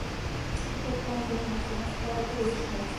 فکر کووم زموږ د چلوونکي په خاطر ویښ ناست و.